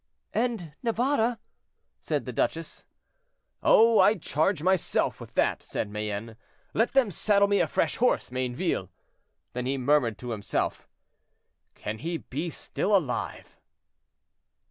"And Navarre—" said the duchess. "Oh! I charge myself with that," said Mayenne. "Let them saddle me a fresh horse, Mayneville." Then he murmured to himself, "Can he be still alive?"